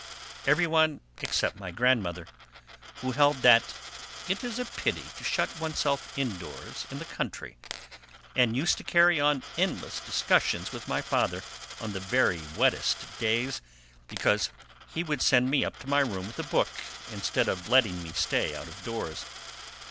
Everyone except my grandmother, who held that "It is a pity to shut oneself indoors in the country," and used to carry on endless discussions with my father on the very wettest days, because he would send me up to my room with a book instead of letting me stay out of doors.